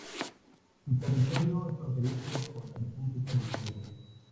Su territorio es fronterizo con la República del Congo.